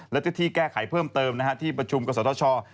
และที่ที่แก้ไขเพิ่มเติมที่ประชุมกฎศาสตร์ชอบ